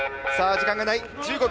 時間がない。